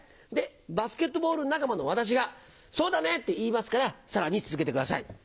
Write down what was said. バスケットボール仲間の私が、そうだねって言いますから、さらに続けてください。